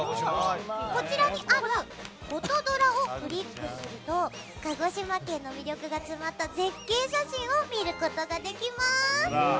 こちらにあるフォトドラをクリックすると鹿児島県の魅力が詰まった絶景写真を見ることができます。